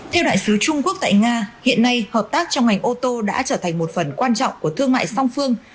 theo đại sứ trung quốc tại nga hiện nay hợp tác trong ngành ô tô đã trở thành một phần quan trọng của thương mại song phương